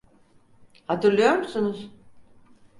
Hatırlıyor musunuz?